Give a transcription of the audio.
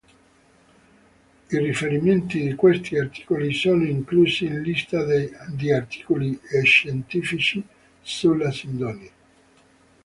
I riferimenti di questi articoli sono inclusi in Lista di articoli scientifici sulla Sindone.